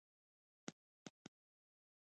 دین څخه مفهوم اخلئ.